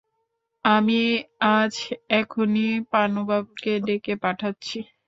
আমি আজ এখনই পানুবাবুকে ডেকে পাঠাচ্ছি।